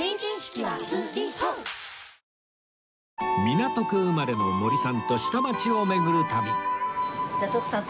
港区生まれの森さんと下町を巡る旅じゃあ徳さん